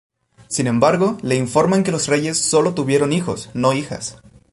Sin embargo, le informan que los reyes sólo tuvieron hijos, no hijas.